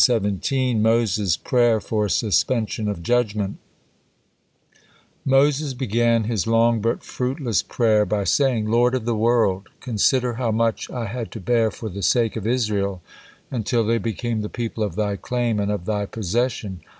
MOSES' PRAYER FOR SUSPENSION OF JUDGMENT Moses began his long but fruitless prayer by saying: "Lord of the world! Consider how much I had to bear for the sake of Israel until they became the people of Thy claim and of Thy possession.